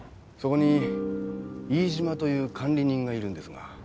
そこに飯島という管理人がいるんですが。